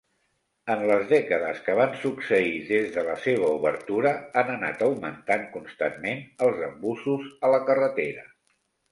En les dècades que van succeir des de la seva obertura han anat augmentant constantment els embussos a la carretera.